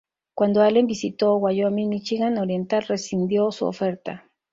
Cuando Allen visitó Wyoming, Míchigan Oriental rescindió su oferta.